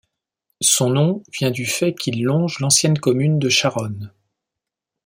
Son nom vient du fait qu'il longe l'ancienne commune de Charonne.